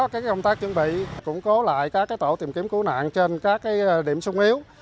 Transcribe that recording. các công tác chuẩn bị củng cố lại các tổ tìm kiếm cứu nạn trên các điểm sung yếu